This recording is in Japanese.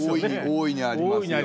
大いにありますよね。